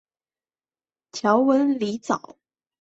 条纹狸藻为狸藻属中型贴水生食虫植物。